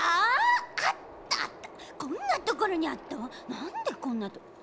なんでこんなところに？